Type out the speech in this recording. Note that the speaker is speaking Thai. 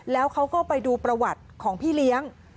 แล้วเขาก็ไปดูประวัติของพี่เลี้ยง